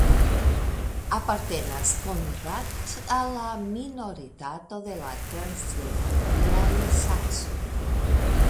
Apartenas Konradt al la minoritato de la transilvaniaj saksoj.